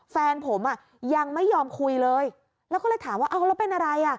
แฟนผมอ่ะยังไม่ยอมคุยเลยแล้วก็เลยถามว่าเอาแล้วเป็นอะไรอ่ะ